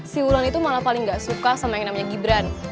si wulan itu malah paling gak suka sama yang namanya gibran